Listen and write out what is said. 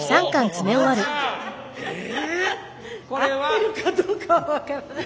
合ってるかどうかは分からない。